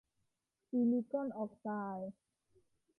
ซิลิกอนออกไซด์